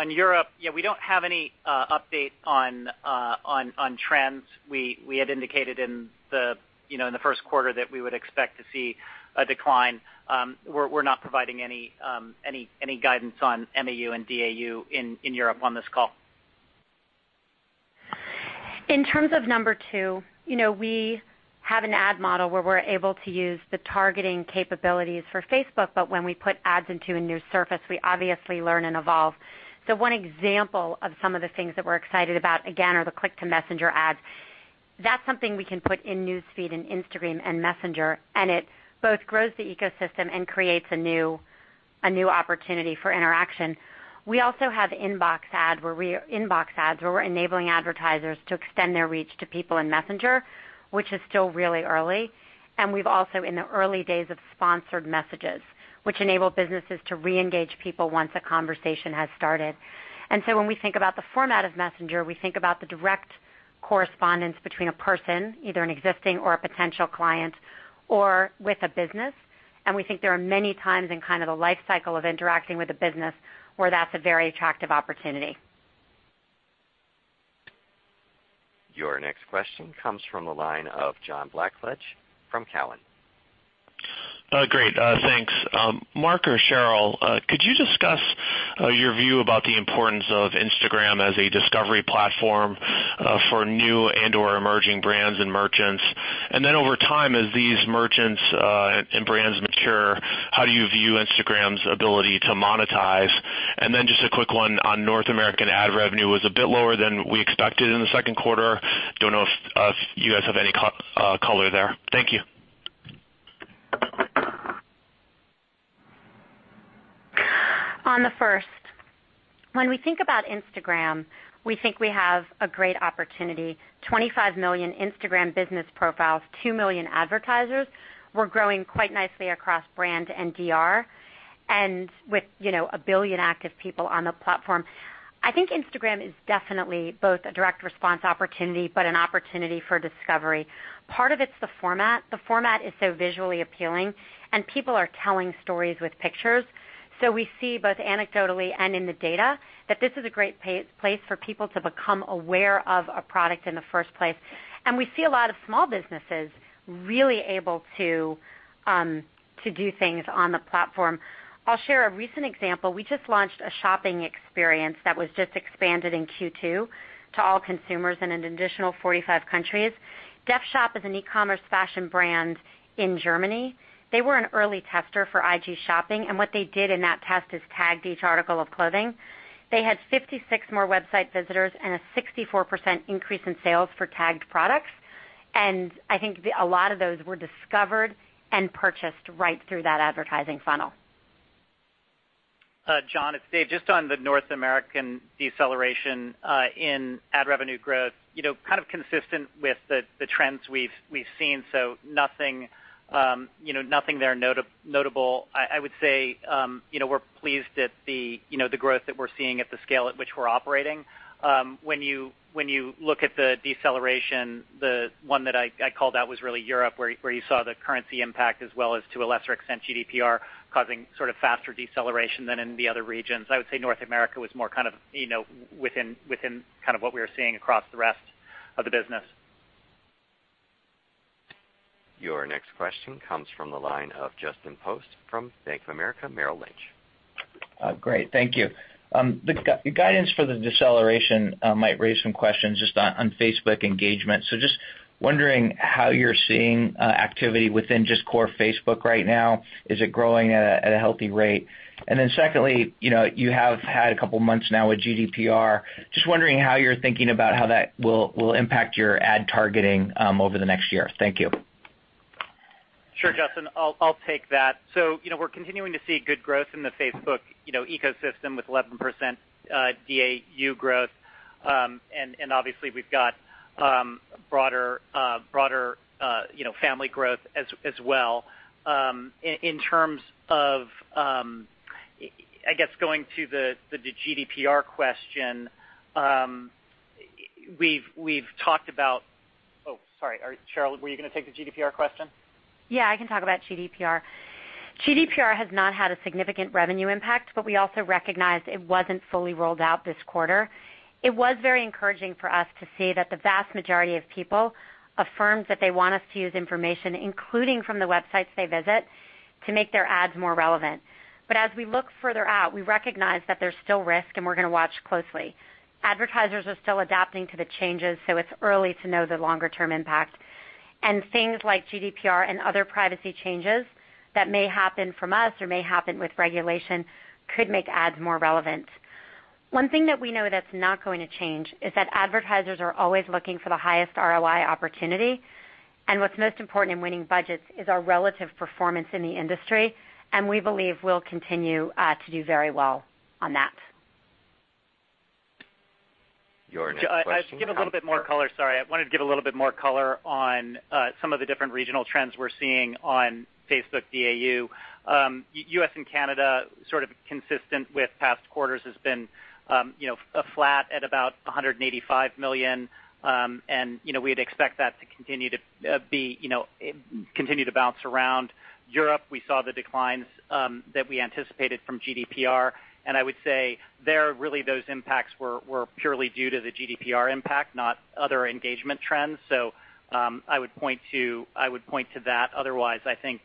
Europe, yeah, we don't have any update on trends. We had indicated in the first quarter that we would expect to see a decline. We're not providing any guidance on MAU and DAU in Europe on this call. In terms of number 2, we have an ad model where we're able to use the targeting capabilities for Facebook, when we put ads into a new surface, we obviously learn and evolve. One example of some of the things that we're excited about, again, are the Click to Messenger ads. That's something we can put in News Feed and Instagram and Messenger, it both grows the ecosystem and creates a new opportunity for interaction. We also have inbox ads, where we're enabling advertisers to extend their reach to people in Messenger, which is still really early. We've also in the early days of sponsored messages, which enable businesses to reengage people once a conversation has started. When we think about the format of Messenger, we think about the direct correspondence between a person, either an existing or a potential client, or with a business. We think there are many times in kind of the life cycle of interacting with a business where that's a very attractive opportunity. Your next question comes from the line of John Blackledge from Cowen. Great, thanks. Mark or Sheryl, could you discuss your view about the importance of Instagram as a discovery platform for new and/or emerging brands and merchants? Over time, as these merchants and brands mature, how do you view Instagram's ability to monetize? Just a quick one on North American ad revenue was a bit lower than we expected in the second quarter. Don't know if you guys have any color there. Thank you. On the first, when we think about Instagram, we think we have a great opportunity. 25 million Instagram business profiles, 2 million advertisers. We're growing quite nicely across brand and DR, with 1 billion active people on the platform. I think Instagram is definitely both a direct response opportunity, an opportunity for discovery. Part of it's the format. The format is so visually appealing, and people are telling stories with pictures. We see both anecdotally and in the data that this is a great place for people to become aware of a product in the first place. We see a lot of small businesses really able to do things on the platform. I'll share a recent example. We just launched a shopping experience that was just expanded in Q2 to all consumers in an additional 45 countries. DefShop is an e-commerce fashion brand in Germany. They were an early tester for IG shopping. What they did in that test is tagged each article of clothing. They had 56 more website visitors and a 64% increase in sales for tagged products. I think a lot of those were discovered and purchased right through that advertising funnel. John, it's Dave. Just on the North American deceleration in ad revenue growth, kind of consistent with the trends we've seen, nothing there notable. I would say we're pleased at the growth that we're seeing at the scale at which we're operating. When you look at the deceleration, the one that I called out was really Europe, where you saw the currency impact as well as, to a lesser extent, GDPR causing sort of faster deceleration than in the other regions. I would say North America was more kind of within kind of what we were seeing across the rest of the business. Your next question comes from the line of Justin Post from Bank of America Merrill Lynch. Great. Thank you. The guidance for the deceleration might raise some questions just on Facebook engagement. Just wondering how you're seeing activity within just core Facebook right now. Is it growing at a healthy rate? Secondly, you have had a couple of months now with GDPR. Just wondering how you're thinking about how that will impact your ad targeting over the next year. Thank you. Sure, Justin, I'll take that. We're continuing to see good growth in the Facebook ecosystem with 11% DAU growth. Obviously we've got broader family growth as well. In terms of, I guess, going to the GDPR question, sorry, Sheryl, were you going to take the GDPR question? Yeah, I can talk about GDPR. GDPR has not had a significant revenue impact, we also recognize it wasn't fully rolled out this quarter. It was very encouraging for us to see that the vast majority of people affirmed that they want us to use information, including from the websites they visit, to make their ads more relevant. As we look further out, we recognize that there's still risk and we're going to watch closely. Advertisers are still adapting to the changes, it's early to know the longer-term impact. Things like GDPR and other privacy changes that may happen from us or may happen with regulation could make ads more relevant. One thing that we know that's not going to change is that advertisers are always looking for the highest ROI opportunity, and what's most important in winning budgets is our relative performance in the industry, and we believe we'll continue to do very well on that. Your next question comes- I'll give a little bit more color. Sorry. I wanted to give a little bit more color on some of the different regional trends we're seeing on Facebook DAU. U.S. and Canada, sort of consistent with past quarters, has been flat at about 185 million. We'd expect that to continue to bounce around. Europe, we saw the declines that we anticipated from GDPR. I would say there, really, those impacts were purely due to the GDPR impact, not other engagement trends. I would point to that. Otherwise, I think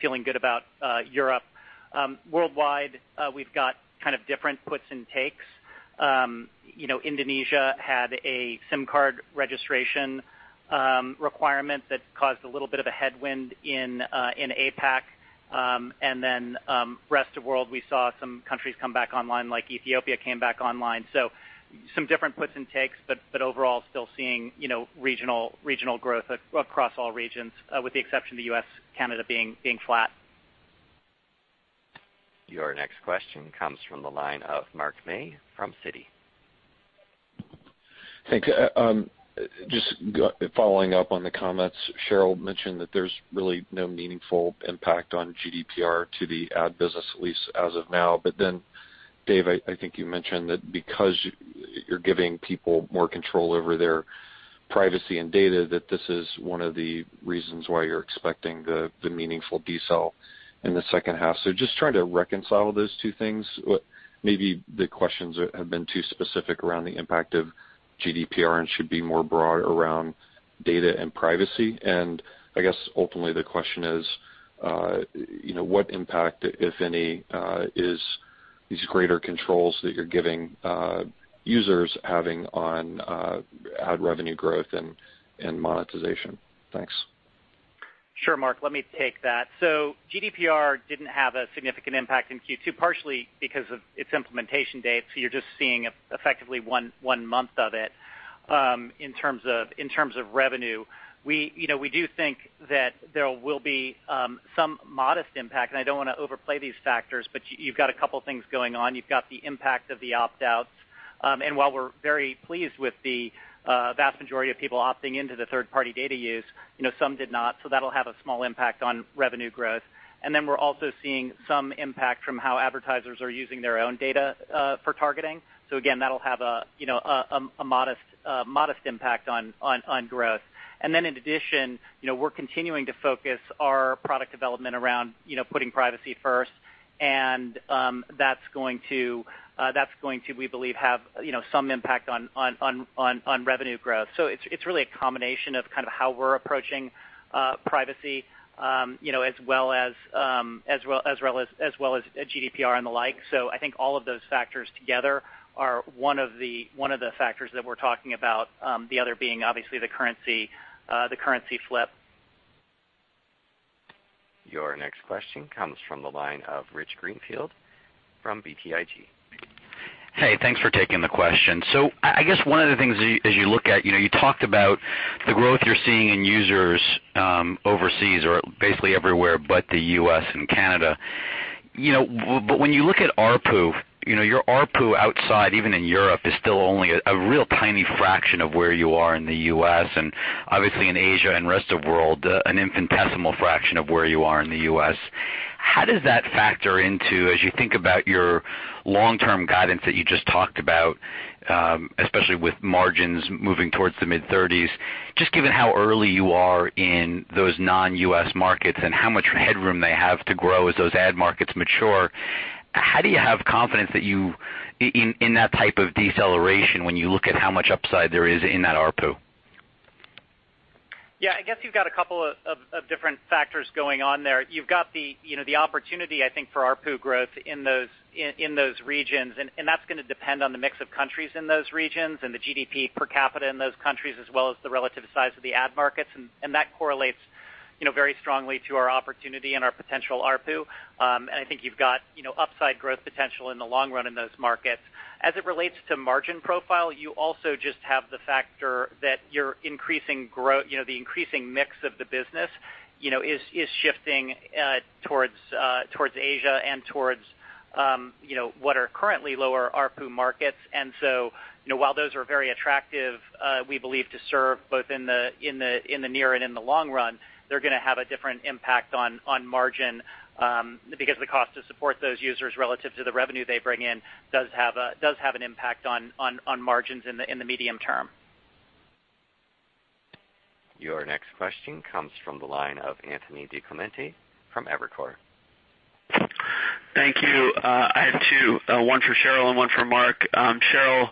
feeling good about Europe. Worldwide, we've got kind of different puts and takes. Indonesia had a SIM card registration requirement that caused a little bit of a headwind in APAC. Then rest of world, we saw some countries come back online, like Ethiopia came back online. Some different puts and takes, but overall, still seeing regional growth across all regions. With the exception of the U.S., Canada being flat. Your next question comes from the line of Mark May from Citi. Thanks. Just following up on the comments. Sheryl mentioned that there's really no meaningful impact on GDPR to the ad business, at least as of now. Dave, I think you mentioned that because you're giving people more control over their privacy and data, that this is one of the reasons why you're expecting the meaningful decel in the second half. Just trying to reconcile those two things. Maybe the questions have been too specific around the impact of GDPR and should be more broad around data and privacy. I guess ultimately the question is, what impact, if any, is these greater controls that you're giving users having on ad revenue growth and monetization? Thanks. Sure, Mark, let me take that. GDPR didn't have a significant impact in Q2, partially because of its implementation date. You're just seeing effectively one month of it in terms of revenue. We do think that there will be some modest impact, and I don't want to overplay these factors, but you've got a couple of things going on. You've got the impact of the opt-outs. While we're very pleased with the vast majority of people opting into the third-party data use, some did not. That'll have a small impact on revenue growth. We're also seeing some impact from how advertisers are using their own data for targeting. Again, that'll have a modest impact on growth. In addition, we're continuing to focus our product development around putting privacy first, and that's going to, we believe, have some impact on revenue growth. It's really a combination of kind of how we're approaching privacy as well as GDPR and the like. I think all of those factors together are one of the factors that we're talking about. The other being obviously the currency flip. Your next question comes from the line of Rich Greenfield from BTIG. Hey, thanks for taking the question. I guess one of the things as you look at, you talked about the growth you're seeing in users overseas or basically everywhere but the U.S. and Canada. When you look at ARPU, your ARPU outside, even in Europe, is still only a real tiny fraction of where you are in the U.S. and obviously in Asia and rest of world, an infinitesimal fraction of where you are in the U.S. How does that factor into, as you think about your long-term guidance that you just talked about, especially with margins moving towards the mid-thirties, just given how early you are in those non-U.S. markets and how much headroom they have to grow as those ad markets mature, how do you have confidence in that type of deceleration when you look at how much upside there is in that ARPU? Yeah, I guess you've got a couple of different factors going on there. You've got the opportunity, I think, for ARPU growth in those regions, and that's going to depend on the mix of countries in those regions and the GDP per capita in those countries as well as the relative size of the ad markets. That correlates very strongly to our opportunity and our potential ARPU. I think you've got upside growth potential in the long run in those markets. As it relates to margin profile, you also just have the factor that the increasing mix of the business is shifting towards Asia and towards what are currently lower ARPU markets. While those are very attractive, we believe to serve both in the near and in the long run, they're going to have a different impact on margin because the cost to support those users relative to the revenue they bring in does have an impact on margins in the medium term. Your next question comes from the line of Anthony DiClemente from Evercore. Thank you. I have two. One for Sheryl and one for Mark. Sheryl,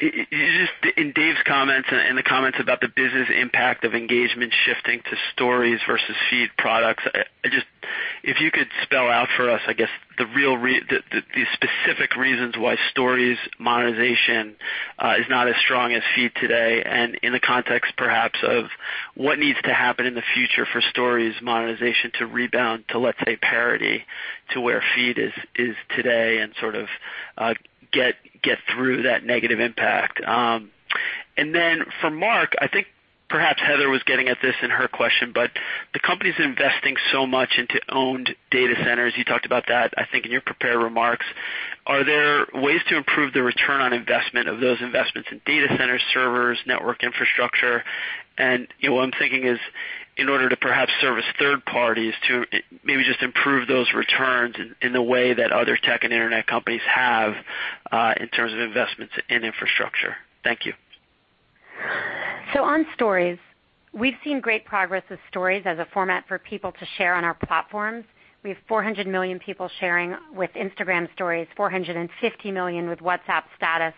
in Dave's comments and the comments about the business impact of engagement shifting to Stories versus Feed products, if you could spell out for us, I guess, the specific reasons why Stories monetization is not as strong as Feed today, and in the context perhaps of what needs to happen in the future for Stories monetization to rebound to, let's say, parity to where Feed is today and sort of get through that negative impact. Then for Mark, I think perhaps Heather was getting at this in her question, but the company's investing so much into owned data centers. You talked about that, I think, in your prepared remarks. Are there ways to improve the ROI of those investments in data centers, servers, network infrastructure? What I'm thinking is in order to perhaps service third parties to maybe just improve those returns in the way that other tech and internet companies have in terms of investments in infrastructure. Thank you. On Stories, we've seen great progress with Stories as a format for people to share on our platforms. We have 400 million people sharing with Instagram Stories, 450 million with WhatsApp Status.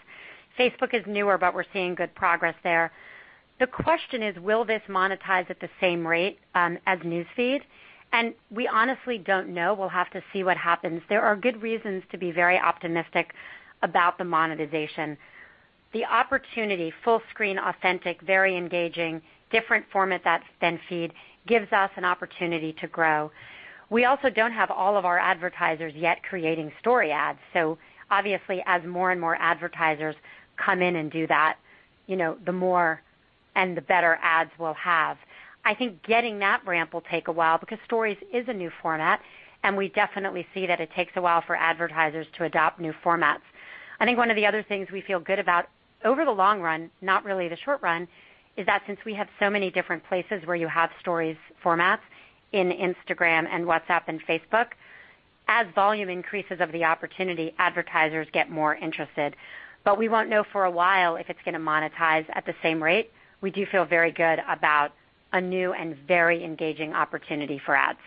Facebook is newer, but we're seeing good progress there. The question is: Will this monetize at the same rate as News Feed? We honestly don't know. We'll have to see what happens. There are good reasons to be very optimistic about the monetization. The opportunity, full screen, authentic, very engaging, different format than Feed, gives us an opportunity to grow. We also don't have all of our advertisers yet creating Story ads. Obviously as more and more advertisers come in and do that, the more and the better ads we'll have. I think getting that ramp will take a while because Stories is a new format. We definitely see that it takes a while for advertisers to adopt new formats. I think one of the other things we feel good about over the long run, not really the short run, is that since we have so many different places where you have Stories formats in Instagram and WhatsApp and Facebook, as volume increases of the opportunity, advertisers get more interested. We won't know for a while if it's going to monetize at the same rate. We do feel very good about a new and very engaging opportunity for ads.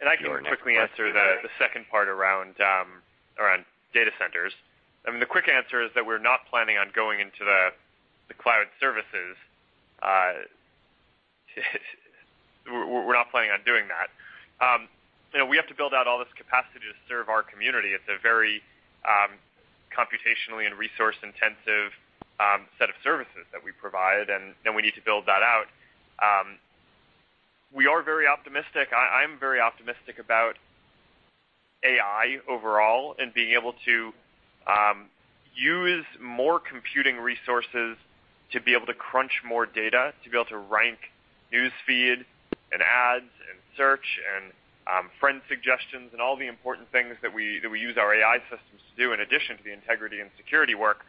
Your next question- I can quickly answer the second part around data centers. I mean, the quick answer is that we're not planning on going into the cloud services. We're not planning on doing that. We have to build out all this capacity to serve our community. It's a very computationally and resource-intensive set of services that we provide, and we need to build that out. We are very optimistic. I'm very optimistic about AI overall and being able to use more computing resources to be able to crunch more data, to be able to rank News Feed and ads and search and friend suggestions and all the important things that we use our AI systems to do in addition to the integrity and security work.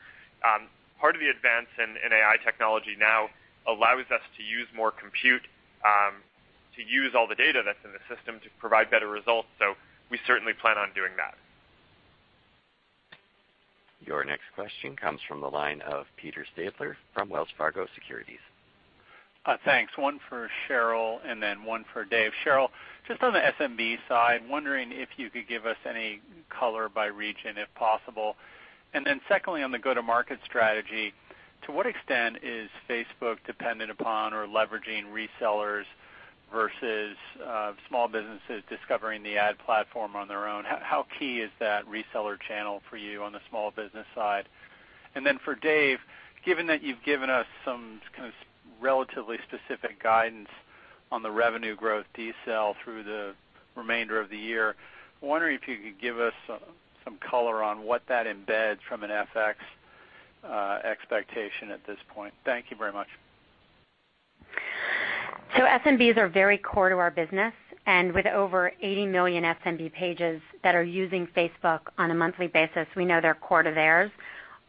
Part of the advance in AI technology now allows us to use more compute, to use all the data that's in the system to provide better results. We certainly plan on doing that. Your next question comes from the line of Peter Stabler from Wells Fargo Securities. Thanks. One for Sheryl and then one for Dave. Sheryl, just on the SMB side, wondering if you could give us any color by region, if possible. Secondly, on the go-to-market strategy, to what extent is Facebook dependent upon or leveraging resellers versus small businesses discovering the ad platform on their own? How key is that reseller channel for you on the small business side? For Dave, given that you've given us some kind of relatively specific guidance on the revenue growth decel through the remainder of the year, I'm wondering if you could give us some color on what that embeds from an FX expectation at this point. Thank you very much. SMBs are very core to our business, and with over 80 million SMB pages that are using Facebook on a monthly basis, we know they're core to theirs.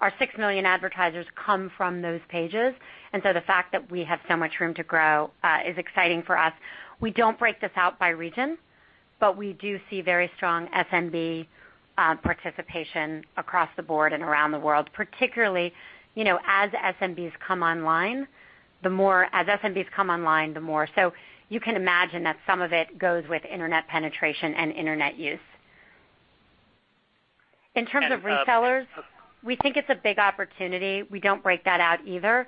Our 6 million advertisers come from those pages. The fact that we have so much room to grow is exciting for us. We don't break this out by region, but we do see very strong SMB participation across the board and around the world. Particularly, as SMBs come online, the more. You can imagine that some of it goes with internet penetration and internet use. In terms of resellers, we think it's a big opportunity. We don't break that out either.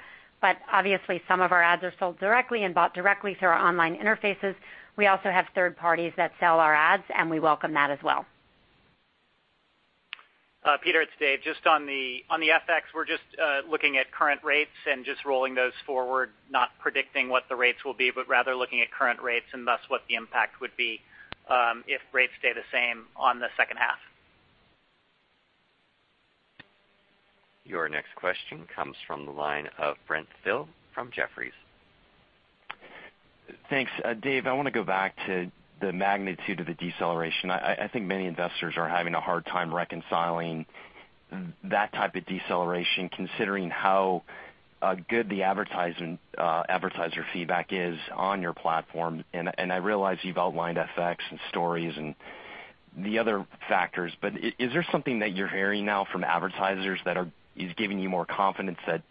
Obviously, some of our ads are sold directly and bought directly through our online interfaces. We also have third parties that sell our ads, and we welcome that as well. Peter, it's Dave. Just on the FX, we're just looking at current rates and just rolling those forward, not predicting what the rates will be, but rather looking at current rates and thus what the impact would be if rates stay the same on the second half. Your next question comes from the line of Brent Thill from Jefferies. Thanks. Dave, I want to go back to the magnitude of the deceleration. I think many investors are having a hard time reconciling that type of deceleration, considering how good the advertiser feedback is on your platform. I realize you've outlined FX and Stories and the other factors, but is there something that you're hearing now from advertisers that is giving you more confidence that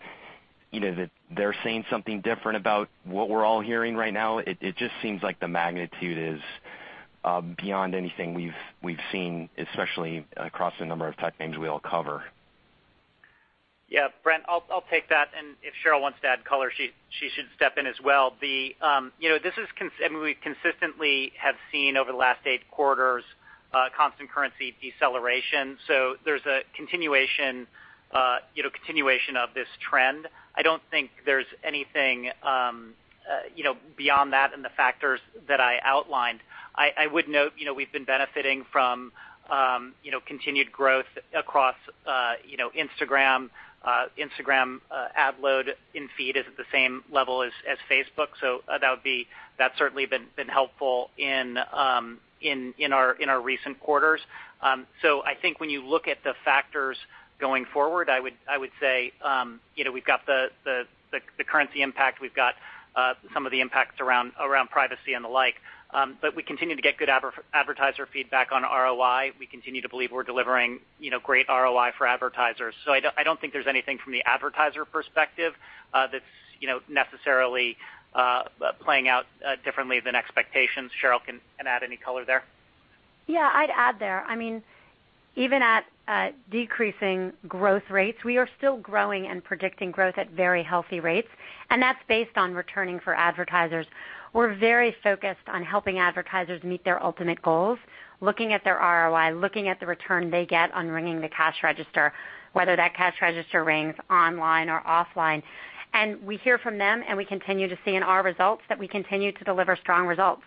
they're saying something different about what we're all hearing right now? It just seems like the magnitude is beyond anything we've seen, especially across the number of tech names we all cover. Yeah, Brent, I'll take that, and if Sheryl wants to add color, she should step in as well. We consistently have seen over the last eight quarters constant currency deceleration. There's a continuation of this trend. I don't think there's anything beyond that in the factors that I outlined. I would note we've been benefiting from continued growth across Instagram. Instagram ad load in feed is at the same level as Facebook, so that's certainly been helpful in our recent quarters. I think when you look at the factors going forward, I would say we've got the currency impact, we've got some of the impacts around privacy and the like. We continue to get good advertiser feedback on ROI. We continue to believe we're delivering great ROI for advertisers. I don't think there's anything from the advertiser perspective that's necessarily playing out differently than expectations. Sheryl can add any color there. I'd add there. Even at decreasing growth rates, we are still growing and predicting growth at very healthy rates, and that's based on returning for advertisers. We're very focused on helping advertisers meet their ultimate goals, looking at their ROI, looking at the return they get on ringing the cash register, whether that cash register rings online or offline. We hear from them, and we continue to see in our results that we continue to deliver strong results.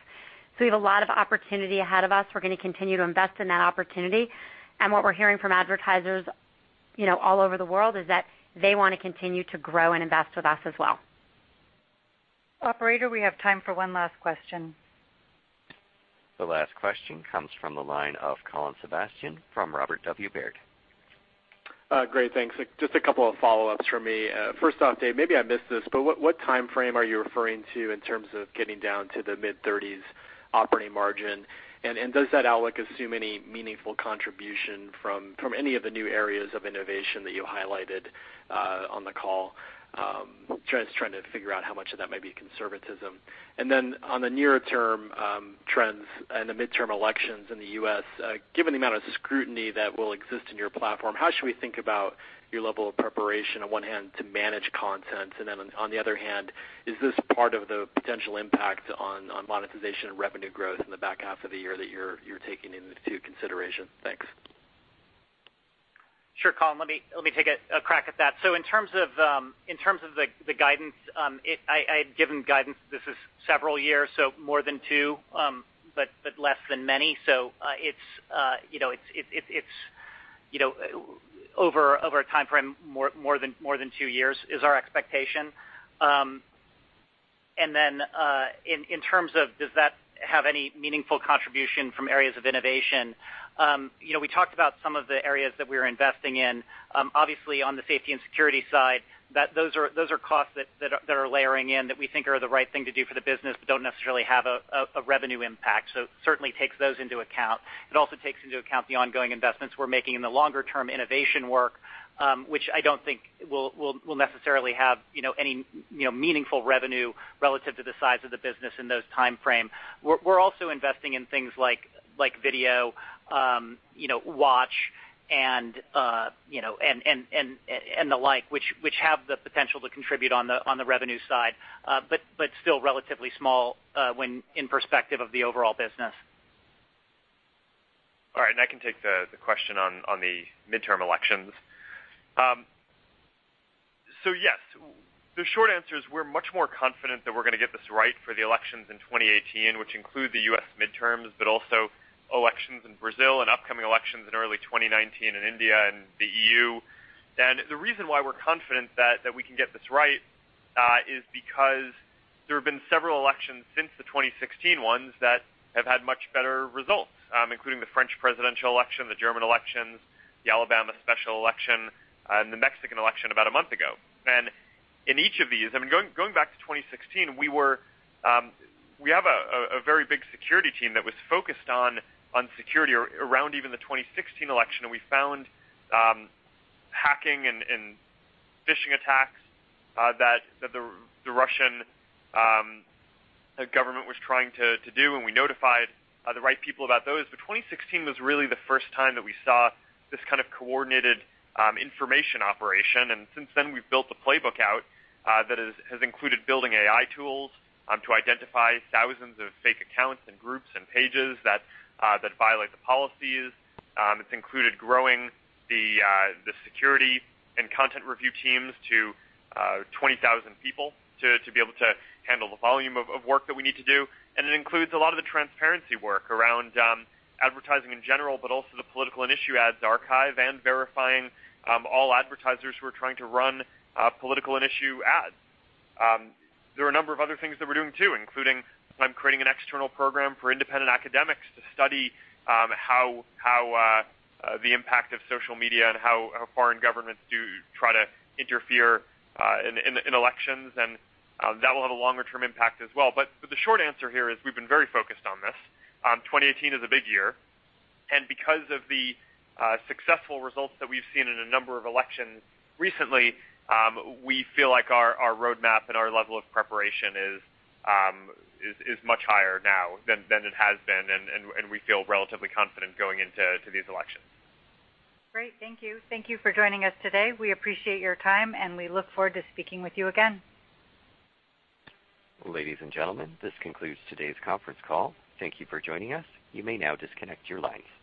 We have a lot of opportunity ahead of us. We're going to continue to invest in that opportunity. What we're hearing from advertisers all over the world is that they want to continue to grow and invest with us as well. Operator, we have time for one last question. The last question comes from the line of Colin Sebastian from Robert W. Baird. Great. Thanks. Just a couple of follow-ups from me. First off, Dave, maybe I missed this, but what timeframe are you referring to in terms of getting down to the mid-30s operating margin? Does that outlook assume any meaningful contribution from any of the new areas of innovation that you highlighted on the call? Just trying to figure out how much of that might be conservatism. On the nearer-term trends and the midterm elections in the U.S., given the amount of scrutiny that will exist in your platform, how should we think about your level of preparation on one hand to manage content, and then on the other hand, is this part of the potential impact on monetization and revenue growth in the back half of the year that you're taking into consideration? Thanks. Sure, Colin, let me take a crack at that. In terms of the guidance, I had given guidance this is several years, more than two, but less than many. It's over a timeframe more than two years is our expectation. In terms of does that have any meaningful contribution from areas of innovation, we talked about some of the areas that we are investing in. Obviously, on the safety and security side, those are costs that are layering in that we think are the right thing to do for the business but don't necessarily have a revenue impact. Certainly takes those into account. It also takes into account the ongoing investments we're making in the longer-term innovation work, which I don't think will necessarily have any meaningful revenue relative to the size of the business in those timeframe. We're also investing in things like Facebook Watch and the like, which have the potential to contribute on the revenue side but still relatively small when in perspective of the overall business. I can take the question on the midterm elections. Yes, the short answer is we're much more confident that we're going to get this right for the elections in 2018, which include the U.S. midterms, but also elections in Brazil and upcoming elections in early 2019 in India and the EU. The reason why we're confident that we can get this right is because there have been several elections since the 2016 ones that have had much better results, including the French presidential election, the German elections, the Alabama special election, and the Mexican election about a month ago. In each of these, going back to 2016, we have a very big security team that was focused on security around even the 2016 election, and we found hacking and phishing attacks that the Russian government was trying to do, and we notified the right people about those. 2016 was really the first time that we saw this kind of coordinated information operation, and since then, we've built the playbook out that has included building AI tools to identify thousands of fake accounts and groups and pages that violate the policies. It's included growing the security and content review teams to 20,000 people to be able to handle the volume of work that we need to do. It includes a lot of the transparency work around advertising in general, but also the political and issue ads archive and verifying all advertisers who are trying to run political and issue ads. There are a number of other things that we're doing too, including creating an external program for independent academics to study how the impact of social media and how foreign governments do try to interfere in elections, and that will have a longer-term impact as well. The short answer here is we've been very focused on this. 2018 is a big year, and because of the successful results that we've seen in a number of elections recently, we feel like our roadmap and our level of preparation is much higher now than it has been, and we feel relatively confident going into these elections. Great. Thank you. Thank you for joining us today. We appreciate your time, and we look forward to speaking with you again. Ladies and gentlemen, this concludes today's conference call. Thank you for joining us. You may now disconnect your lines.